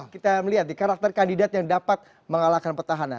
kita lihat di karakter kandidat yang dapat mengalahkan petahana